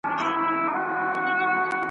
ته لکه غنچه زه به شبنم غيږي ته درسمه ,